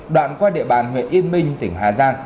đoạn qua địa bàn huyện yên minh tỉnh hà giang